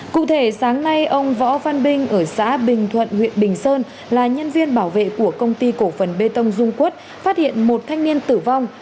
cụ thể sáng nay ông võ văn binh ở xã bình thuận huyện bình sơn là nhân viên bảo vệ của công ty cổ phần bê tông dung quốc phát hiện một thanh niên tử vong